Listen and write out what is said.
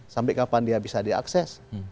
sampai kapan dia bisa diakses